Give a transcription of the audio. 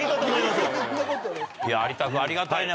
いや有田君ありがたいね